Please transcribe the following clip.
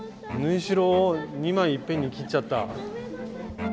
縫い代を２枚いっぺんに切っちゃった。